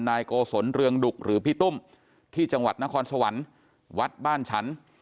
นายโกศลเรืองดุกหรือพี่ตุ้มที่จังหวัดนครสวรรค์วัดบ้านฉัน